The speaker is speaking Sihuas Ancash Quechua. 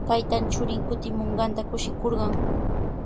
Taytan churin kutimunqanta kushikurqan.